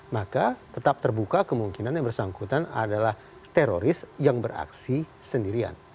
maka tetap terbuka kemungkinan yang bersangkutan adalah teroris yang beraksi sendirian